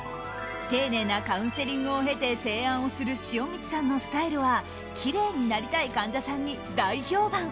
丁寧なカウンセリングを経て提案をする塩満さんのスタイルはきれいになりたい患者さんに大評判。